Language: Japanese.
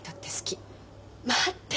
待って。